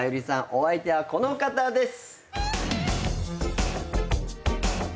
お相手はこの方です。